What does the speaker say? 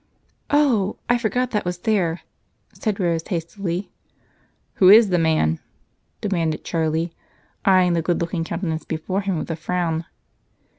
"Oh! I forgot that was there," said Rose hastily. "Who is the man?" demanded Charlie, eyeing the good looking countenance before him with a frown.